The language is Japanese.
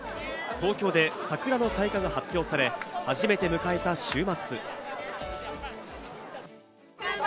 東京で桜の開花が発表され、初めて迎えた週末。